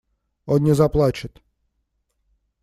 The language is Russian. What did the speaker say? Он не заплачет.